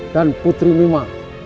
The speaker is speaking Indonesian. dan putri mima